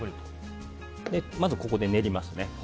まず、ここで練ります。